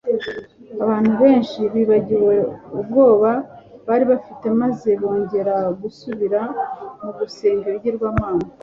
abantu benshi bibagiwe ubwoba bari bafite maze bongera gusubira mu gusenga ibigirwamana